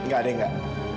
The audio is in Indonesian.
gak ada yang gak